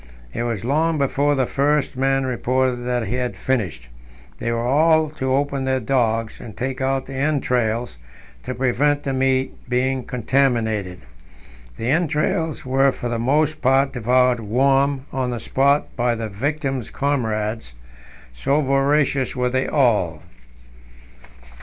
It was long before the first man reported that he had finished; they were all to open their dogs, and take out the entrails to prevent the meat being contaminated. The entrails were for the most part devoured warm on the spot by the victims' comrades, so voracious were they all.